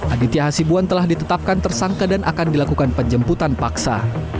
aditya hasibuan telah ditetapkan tersangka dan akan dilakukan penjemputan paksa